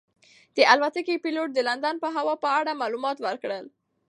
د الوتکې پېلوټ د لندن د هوا په اړه معلومات ورکړل.